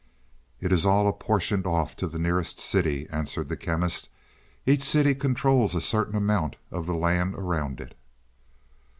"It is all apportioned off to the nearest city," answered the Chemist. "Each city controls a certain amount of the land around it.